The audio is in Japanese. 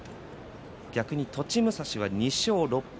逆に栃武蔵は２勝６敗。